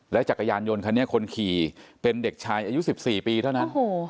จักรยานยนต์คันนี้คนขี่เป็นเด็กชายอายุ๑๔ปีเท่านั้น